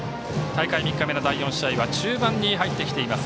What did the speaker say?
大会３日目の第４試合は中盤に入ってきています。